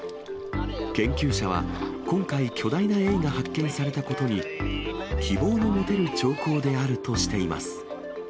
研究者は、今回、巨大なエイが発見されたことに、希望の持てる兆候であるとしています。